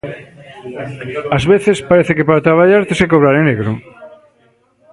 Ás veces parece que para traballar tes que cobrar en negro.